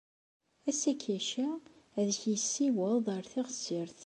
Asakac-a ad k-yessiweḍ ɣer teɣsert.